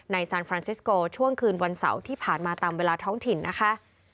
ซานฟรานซิสโกช่วงคืนวันเสาร์ที่ผ่านมาตามเวลาท้องถิ่นนะคะ